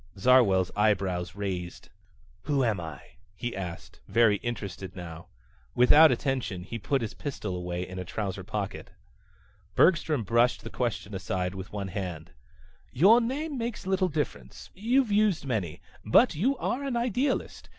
Zarwell's eyebrows raised. "Who am I?" he asked, very interested now. Without attention he put his pistol away in a trouser pocket. Bergstrom brushed the question aside with one hand. "Your name makes little difference. You've used many. But you are an idealist.